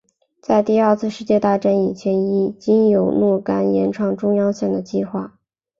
在第二次世界大战以前已经有若干延长中央线的计划。